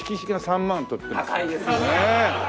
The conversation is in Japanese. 高いですよね。